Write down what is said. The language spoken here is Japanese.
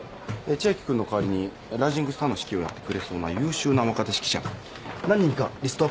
千秋君の代わりにライジングスターの指揮をやってくれそうな優秀な若手指揮者何人かリストアップしといたから。